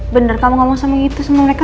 bener kamu ngomong sama itu sama mereka